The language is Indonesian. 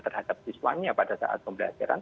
terhadap siswanya pada saat pembelajaran